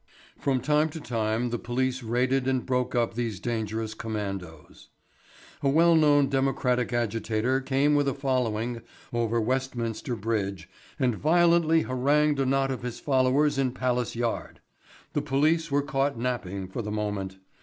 From time to time the police raided and broke up these dangerous commandoes. A well known democratic agitator came with a following over Westminster Bridge and violently harangued a knot of his followers in Palace Yard. The police were caught napping for the moment.